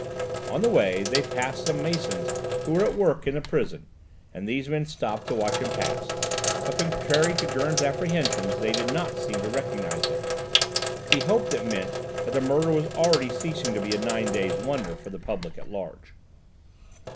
On the way they passed some masons who were at work in the prison, and these men stopped to watch him pass, but contrary to Gurn's apprehensions they did not seem to recognise him. He hoped it meant that the murder was already ceasing to be a nine days' wonder for the public at large.